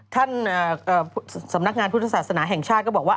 สำนักงานพุทธศาสนาแห่งชาติก็บอกว่า